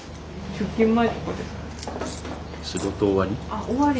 あっ終わり。